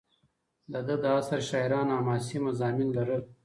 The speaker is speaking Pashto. د ده د عصر شاعرانو حماسي مضامین لرل.